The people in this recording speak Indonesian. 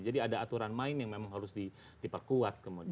jadi ada aturan main yang memang harus diperkuat kemudian